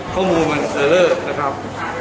ข้อมูลมันเจอเริกนะครับ